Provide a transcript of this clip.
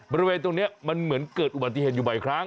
บริเวณตรงนี้มันเหมือนเกิดอุบัติเหตุอยู่บ่อยครั้ง